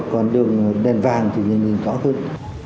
còn đường đèn vàng thì nhìn rõ hơn